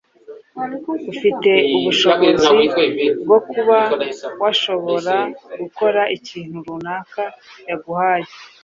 ufite ubushobozi bwo kuba washobora gukora ikintu runaka yaguhaye.